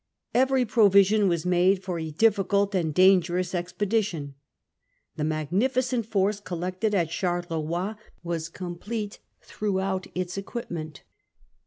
Every provision was made for a difficult and dangerous expedition. The magnificent force collected at Charleroi was complete throughout its equipment.